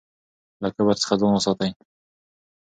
له کبر څخه ځان وساتئ.